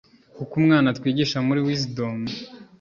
kuko umwana twigisha muri Wisdom